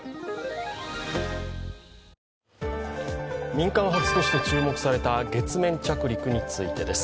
民間初として注目された月面着陸についてです。